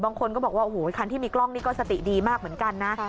บางคนก็บอกว่าโอ้โหคันที่มีกล้องนี่ก็สติดีมากเหมือนกันนะ